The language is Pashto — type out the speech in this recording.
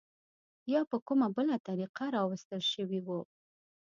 یا په کومه بله طریقه راوستل شوي وو.